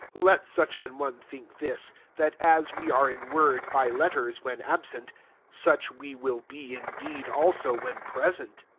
11 Let such an one think this, that as we are in word, by letters, when absent, such v)e will be in deed also, when present.